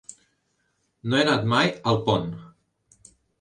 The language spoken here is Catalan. No he anat mai a Alpont.